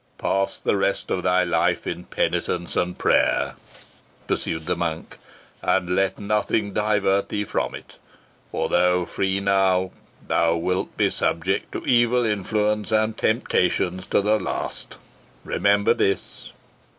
"Pass the rest of thy life in penitence and prayer," pursued the monk, "and let nothing divert thee from it; for, though free now, thou wilt be subject to evil influence and temptations to the last. Remember this."